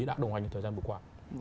đã đồng hành trong thời gian vừa qua